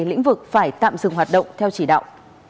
lĩnh vực phải tạm dừng hoạt động theo chỉ đạo